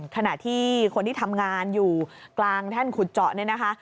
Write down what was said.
ขณะที่คนที่ทำงานอยู่กลางแท่นขุดเจาะเนี่ยนะคะ